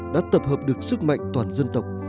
đã tập hợp được sức mạnh toàn dân tộc